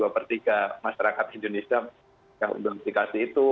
dua per tiga masyarakat indonesia sudah dikasih itu